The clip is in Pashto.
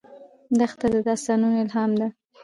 دښته د داستانونو الهام ده.